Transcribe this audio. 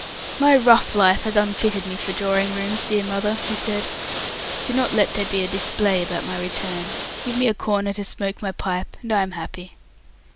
"My rough life has unfitted me for drawing rooms, dear mother," he said. "Do not let there be a display about my return. Give me a corner to smoke my pipe, and I am happy."